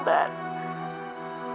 sudah memberikan banyak kekuatan